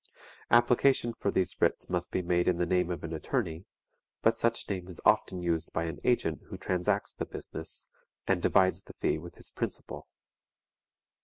Application for these writs must be made in the name of an attorney, but such name is often used by an agent who transacts the business, and divides the fee with his principal.